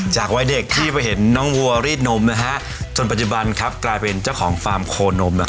วัยเด็กที่ไปเห็นน้องวัวรีดนมจนปัจจุบันกลายเป็นเจ้าของฟาร์มโคนม